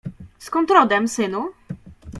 Skąd rodem, synu?